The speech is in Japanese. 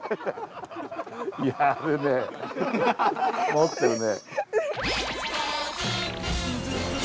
もってるね。